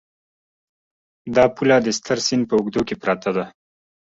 دا پوله د ستر سیند په اوږدو کې پرته ده.